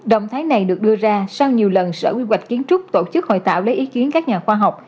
động thái này được đưa ra sau nhiều lần sở quy hoạch kiến trúc tổ chức hội tạo lấy ý kiến các nhà khoa học